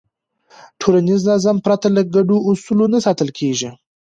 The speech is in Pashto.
ټولنیز نظم پرته له ګډو اصولو نه ساتل کېږي.